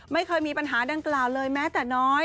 ไม่เคยมีปัญหาดังกล่าวเลยแม้แต่น้อย